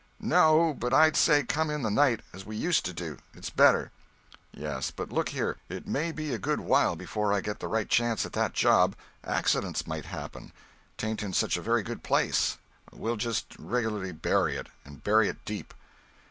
"No—but I'd say come in the night as we used to do—it's better." "Yes: but look here; it may be a good while before I get the right chance at that job; accidents might happen; 'tain't in such a very good place; we'll just regularly bury it—and bury it deep."